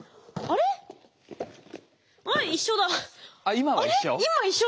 今は一緒？